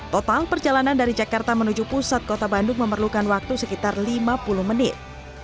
total perjalanan dari jakarta menuju pusat kota bandung memerlukan waktu sekitar lima puluh menit